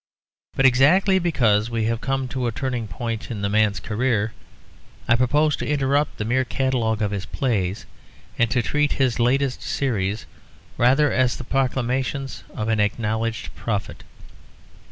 But exactly because we have come to a turning point in the man's career I propose to interrupt the mere catalogue of his plays and to treat his latest series rather as the proclamations of an acknowledged prophet.